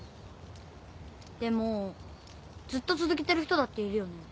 でもずっと続けてる人だっているよね？